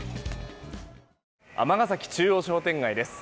尼崎中央商店街です。